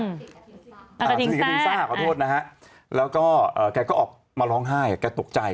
สนิทกับลิงซ่าขอโทษนะฮะแล้วก็แกก็ออกมาร้องไห้แกตกใจ